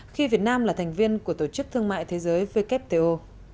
khi việt nam là thành viên của tổ chức thương mại thế giới wto